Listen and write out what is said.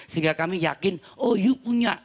sehingga kami yakin oh you punya